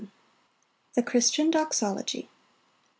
The Christian Doxology.